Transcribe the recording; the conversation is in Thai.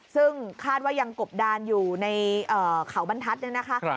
ซึ่งคาดว่ายังกบดานอยู่ในเขาบรรทัศน์เนี่ยนะคะ